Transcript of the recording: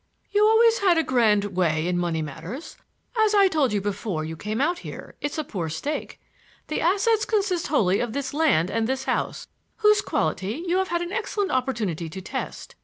"You always had a grand way in money matters. As I told you before you came out here, it's a poor stake. The assets consist wholly of this land and this house, whose quality you have had an excellent opportunity to test.